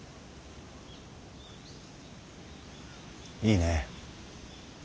いいね。